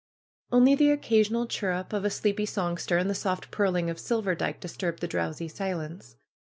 Only the occa sional chirrup of a sleepy songster and the soft purling of Silverdike disturbed the drowsy silence.